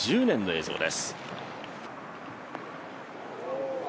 ２０１０年の映像です。